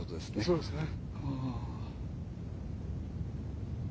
そうですね。